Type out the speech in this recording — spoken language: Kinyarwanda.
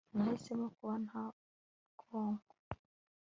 Nahisemo kuba nta bwonko